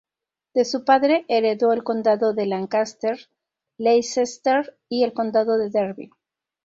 De su padre heredó el condado de Lancaster, Leicester, y el condado de Derby.